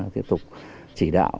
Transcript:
tiếp tục chỉ đạo